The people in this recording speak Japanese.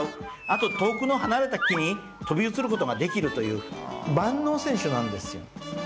あと遠くの離れた木に飛び移ることができるという万能選手なんですよ。